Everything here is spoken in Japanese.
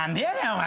お前。